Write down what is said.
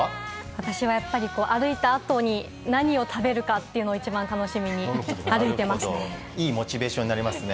私はやっぱり歩いたあとに何を食べるかを一番楽しみに歩いていますね。